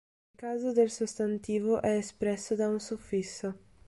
Il caso del sostantivo è espresso da un suffisso.